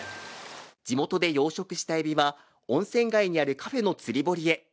地元で養殖したエビは温泉街にあるカフェの釣堀へ。